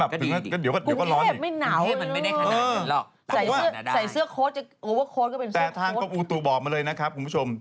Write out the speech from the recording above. ใส่เสื้อท์โค้ดโอเวอร์โค้ดก็เป็นแต่ทางกรมอูตู้บอกมาเลยนะครับคุณผู้ชม